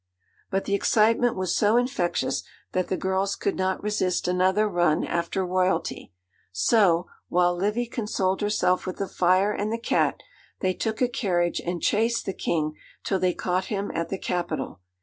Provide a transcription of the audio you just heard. But the excitement was so infectious that the girls could not resist another run after royalty; so, while Livy consoled herself with the fire and the cat, they took a carriage and chased the King till they caught him at the Capitol.